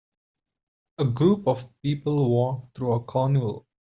A group of people walk through a carnival.